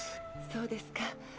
そうですか。